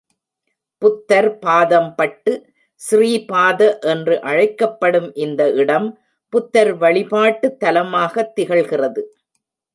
புத்தர் பாதம்பட்டு ஸ்ரீபாத, என்று அழைக்கப்படும் இந்த இடம் புத்தர் வழிபாட்டுத் தலமாகத் திகழ்கிறது.